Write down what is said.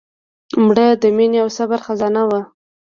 مړه د مینې او صبر خزانه وه